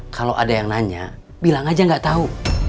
kalau ada yang nanya bilang aja nggak tahu